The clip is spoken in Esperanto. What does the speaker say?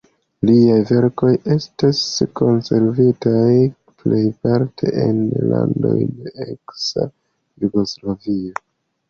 Liaj verkoj estas konservitaj plejparte en landoj de eksa Jugoslavio.